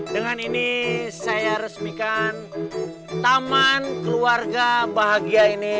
dengan ini saya resmikan taman keluarga bahagia ini